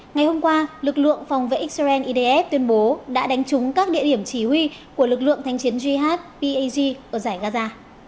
ngày hôm qua lực lượng phòng vệ israel idf tuyên bố đã đánh trúng các địa điểm chỉ huy của lực lượng thanh chiến jhpag ở giải gaza